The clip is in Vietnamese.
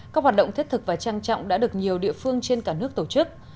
các hoạt động thiết thực và trang trọng đã được nhiều địa phương trên cả nước tổ chức